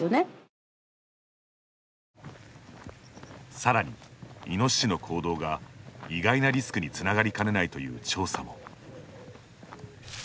さらにイノシシの行動が意外なリスクに繋がりかねないという調査も。